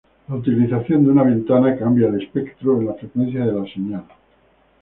La utilización de una ventana cambia el espectro en la frecuencia de la señal.